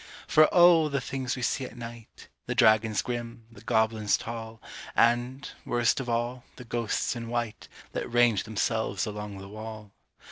For O! the things we see at night The dragons grim, the goblins tall, And, worst of all, the ghosts in white That range themselves along the wall!